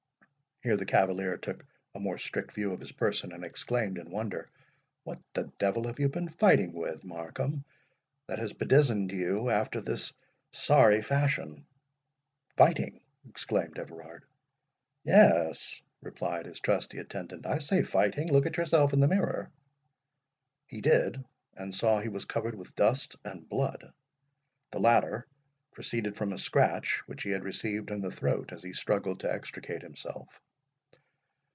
Here the cavalier took a more strict view of his person, and exclaimed in wonder, "What the devil have you been fighting with, Markham, that has bedizened you after this sorry fashion?" "Fighting!" exclaimed Everard. "Yes," replied his trusty attendant. "I say fighting. Look at yourself in the mirror." He did, and saw he was covered with dust and blood. The latter proceeded from a scratch which he had received in the throat, as he struggled to extricate himself.